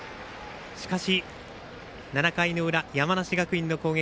しかし、７回の裏山梨学院の攻撃。